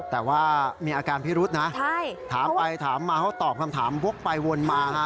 แต่ว่ามีอาการพิรุษนะถามไปถามมาเขาตอบคำถามวกไปวนมาฮะ